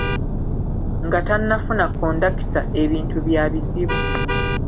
Nga tannafuna kondakita ebintu bya bizibu.